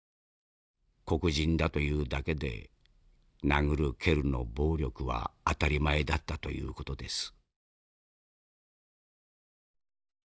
黒人だというだけで殴る蹴るの暴力は当たり前だったという事です」。